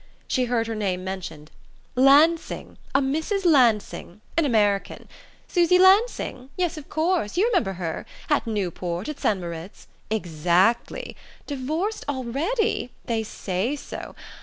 She heard her name mentioned: "Lansing a Mrs. Lansing an American... Susy Lansing? Yes, of course.... You remember her? At Newport, At St. Moritz? Exactly.... Divorced already? They say so...